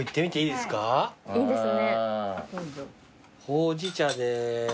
ほうじ茶で。